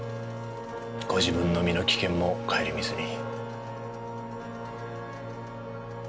ご自分の身の危険も顧みずに。